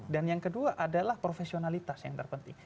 dan yang kedua adalah profesionalitas yang terpenting